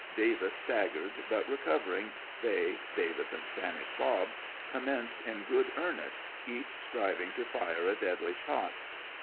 Davis staggered, but recover ing, they (Davis and Spanish Bob) commenced in good earnest, each striving to fire a deadly shot.